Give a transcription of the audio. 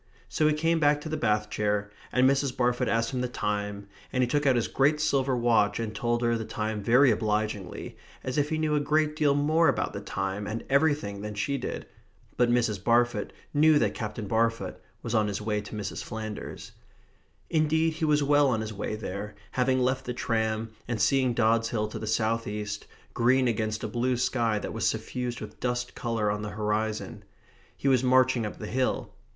So he came back to the bath chair, and Mrs. Barfoot asked him the time, and he took out his great silver watch and told her the time very obligingly, as if he knew a great deal more about the time and everything than she did. But Mrs. Barfoot knew that Captain Barfoot was on his way to Mrs. Flanders. Indeed he was well on his way there, having left the tram, and seeing Dods Hill to the south east, green against a blue sky that was suffused with dust colour on the horizon. He was marching up the hill.